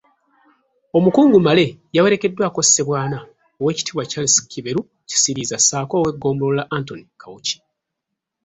Omukungu Male yawerekeddwako Ssebwana, Oweekitiibwa Charles Kiberu Kisiriiza ssaako ow’eggombolola Anthony Kawuki.